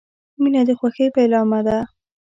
• مینه د خوښۍ پیلامه ده.